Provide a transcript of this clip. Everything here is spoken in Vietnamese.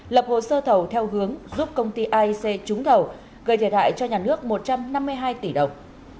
lập hồ sơ thầu theo hướng giúp công ty aic trúng thầu gây thiệt hại cho nhà nước một trăm năm mươi hai tỷ đồng